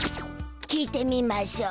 聞いてみましょ。